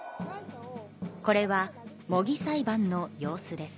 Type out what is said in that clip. これは模擬裁判の様子です。